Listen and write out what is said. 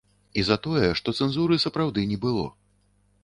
І за тое, што цэнзуры сапраўды не было.